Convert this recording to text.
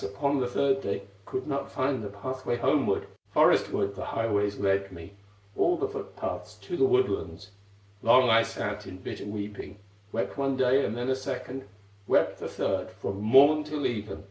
upon the third day, Could not find the pathway homeward, Forestward the highways led me, All the footpaths, to the woodlands. Long I sat in bitter weeping, Wept one day and then a second, Wept the third from morn till even.